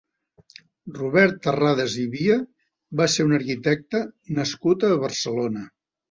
Robert Terradas i Via va ser un arquitecte nascut a Barcelona.